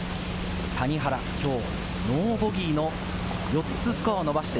谷原、きょう、ノーボギーの４つスコアを伸ばして、